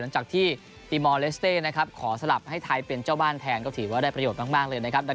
หลังจากที่ตีมอลเลสเต้นะครับขอสลับให้ไทยเป็นเจ้าบ้านแทนก็ถือว่าได้ประโยชน์มากเลยนะครับ